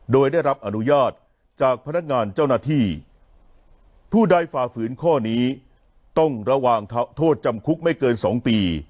โดยได้รับอนุญาตจากพนักงานเจ้าหน้าที่ผู้ใดฝ่าฝืนข้อนี้ต้องระวังโทษจำคุกไม่เกินสองปี